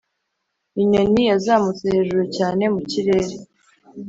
inyoni yazamutse hejuru cyane mu kirere.